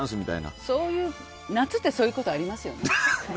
あとね、夏ってそういうことありますよね。